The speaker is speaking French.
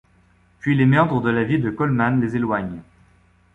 Puis les méandres de la vie de Coleman les éloignent.